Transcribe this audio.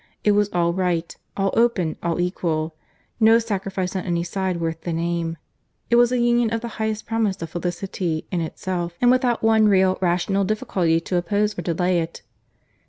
It was all right, all open, all equal. No sacrifice on any side worth the name. It was a union of the highest promise of felicity in itself, and without one real, rational difficulty to oppose or delay it.